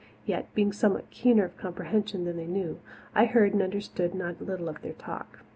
Yet, being somewhat keener of comprehension than they knew, I heard and understood not a little of their talk.